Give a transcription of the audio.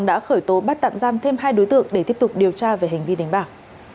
đã khởi tố bắt tạm giam thêm hai đối tượng để tiếp tục điều tra về hành vi đánh bạc